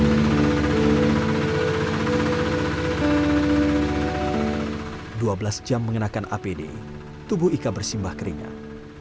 setelah dua belas jam mengenakan apd tubuh ika bersimbah keringat